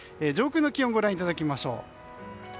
上空の気温をご覧いただきましょう。